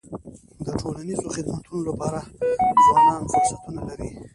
د ټولنیزو خدمتونو لپاره ځوانان فرصتونه لري.